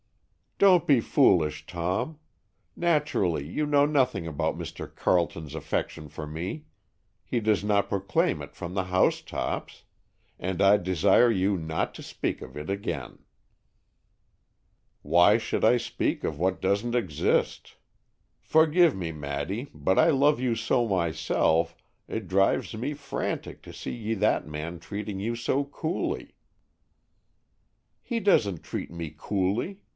"Don't be foolish, Tom. Naturally you know nothing about Mr. Carleton's affection for me—he does not proclaim it from the housetops. And I desire you not to speak of it again." "Why should I speak of what doesn't exist? Forgive me, Maddy, but I love you so myself, it drives me frantic to see that man treating you so coolly." "He doesn't treat me coolly.